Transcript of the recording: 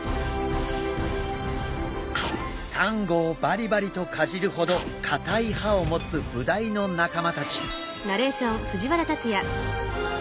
サンゴをバリバリとかじるほどかたい歯を持つブダイの仲間たち。